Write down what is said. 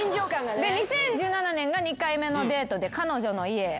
で２０１７年が２回目のデートで彼女の家ですね。